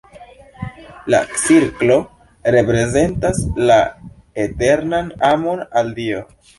La cirklo reprezentas la eternan amon al Dio.